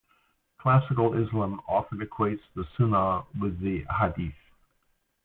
Classical Islam often equates the "sunnah" with the "hadith".